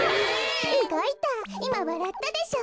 うごいたいまわらったでしょ？